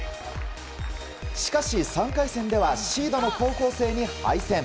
しかし、３回戦ではシードの高校生に敗戦。